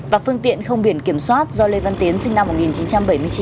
và phương tiện không biển kiểm soát do lê văn tiến sinh năm một nghìn chín trăm bảy mươi chín